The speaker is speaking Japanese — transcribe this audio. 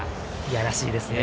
やらしいですね。